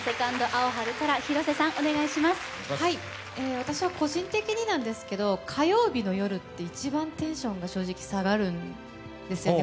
私は個人的になんですけれども、火曜日の夜って一番テンションが正直下がるんですよね。